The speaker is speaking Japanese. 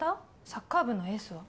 サッカー部のエースは？